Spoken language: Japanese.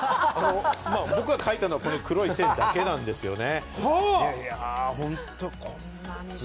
僕が描いたのは、この黒い線だけなんですよね。